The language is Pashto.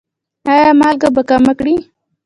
ایا مالګه به کمه کړئ؟